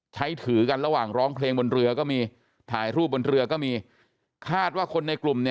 ถือกันระหว่างร้องเพลงบนเรือก็มีถ่ายรูปบนเรือก็มีคาดว่าคนในกลุ่มเนี่ย